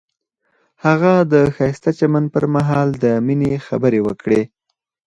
هغه د ښایسته چمن پر مهال د مینې خبرې وکړې.